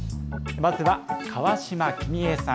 まずは川島君枝さん。